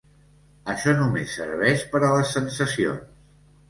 Això només serveix per a les sensacions.